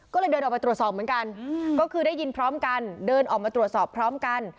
ก็เลยเดินออกไปตรวจสอบเหมือนกันก็คือได้ยินพร้อมกันเดินออกมาตรวจสอบพร้อมกัน